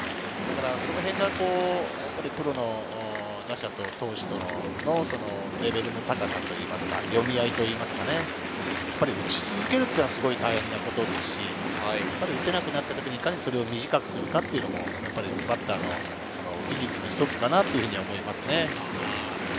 そのへんがプロの打者と投手のレベルの高さといいますか、読み合いといいますか、打ち続けるっていうのは大変な事ですし、打てなくなった時にいかにそれを短くするかっていうのは、バッターの技術の一つかなと思いますね。